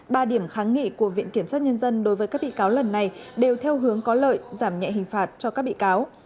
ba điểm kháng nghị của viện kiểm sát nhân dân đối với các bị cáo lần này đều theo hướng có lợi giảm nhẹ hình phạt cho các bị cáo